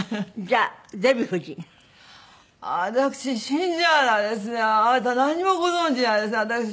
あなた何もご存じないですね。